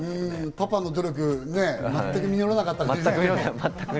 パパの努力、全く実らなかったけど。